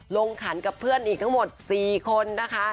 ขันกับเพื่อนอีกทั้งหมด๔คนนะคะ